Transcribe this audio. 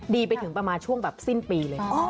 ดีไปถึงประมาณช่วงแบบสิ้นปีเลย